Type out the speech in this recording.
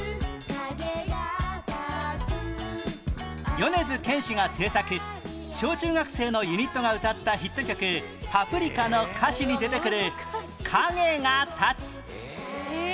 米津玄師が制作小中学生のユニットが歌ったヒット曲『パプリカ』の歌詞に出てくる「影が立つ」え？